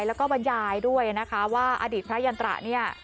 แล้วก็บรรยายด้วยนะคะว่าอดีตพระยันตระเนี่ย